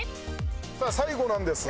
さあ最後なんですが。